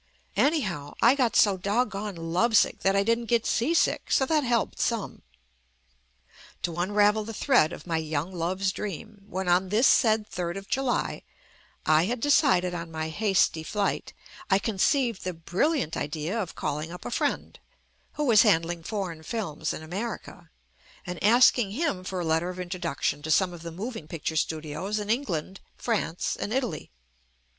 [1151 JUST ME Anyhow, I got so doggone lovesick that I didn't get seasick so that helped some. To un ravel the thread of my "young love's dream" — when on this said 3rd of July I had decided on my hasty flight, I conceived the brilliant idea of calling up a friend, who was handling foreign films in America, and asking him for a letter of introduction to some of the moving picture studios in England, France and Italy.